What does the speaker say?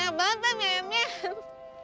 enak banget pam yam yam